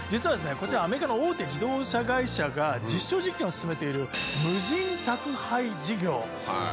こちらアメリカの大手自動車会社が実証実験を進めているへえ！